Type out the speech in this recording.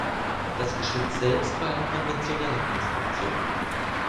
Das Geschütz selbst war eine konventionelle Konstruktion.